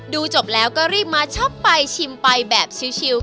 จบแล้วก็รีบมาช็อปไปชิมไปแบบชิล